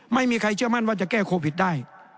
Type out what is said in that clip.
ไม่มีใครเชื่อมั่นว่าจะแก้โควิดได้